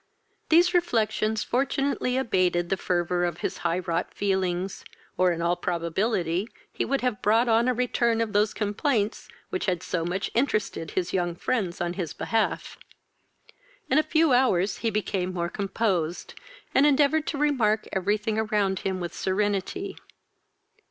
These reflections fortunately abated the fervour of this high wrought feelings, or in all probability he would have brought on a return of those complaints which had so much interested his young friends in his behalf. In a few hours he became more composed, and endeavoured to remark every thing around him with serenity.